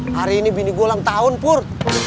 hari ini bini gue ulang tahun pur